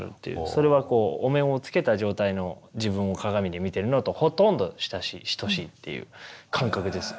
それはお面をつけた状態の自分を鏡で見てるのとほとんど等しいっていう感覚です。